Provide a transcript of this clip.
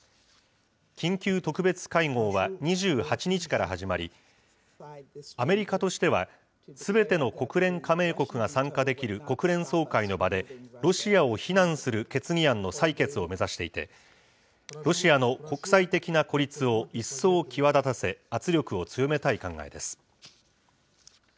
緊急特別会合は２８日から始まり、アメリカとしては、すべての国連加盟国が参加できる国連総会の場で、ロシアを非難する決議案の裁決を目指していて、ロシアの国際的な孤立を一層際立たせ、圧力を強めたい考えです。